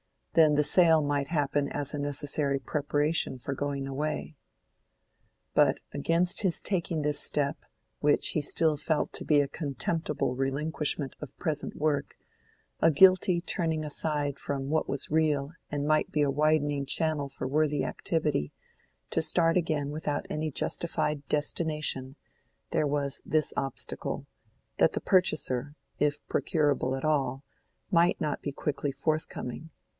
Then the sale might happen as a necessary preparation for going away." But against his taking this step, which he still felt to be a contemptible relinquishment of present work, a guilty turning aside from what was a real and might be a widening channel for worthy activity, to start again without any justified destination, there was this obstacle, that the purchaser, if procurable at all, might not be quickly forthcoming.